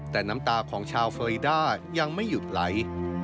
แต่น้ำตาของชาวเฟอรีด้ายังไม่หยุดไหล